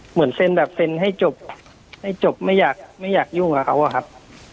เหมือนเซ็นแบบเซ็นให้จบให้จบไม่อยากไม่อยากยุ่งกับเขาอะครับ